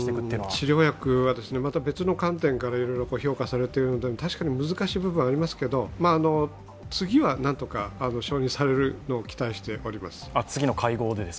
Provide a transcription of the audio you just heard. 治療薬は別の観点から評価されているので確かに難しい部分もありますけれども、次はなんとか承認されることを期待しております。